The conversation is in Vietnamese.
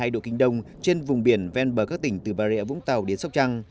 một trăm linh bảy hai độ kinh đông trên vùng biển ven bờ các tỉnh từ bà rịa vũng tàu đến sóc trăng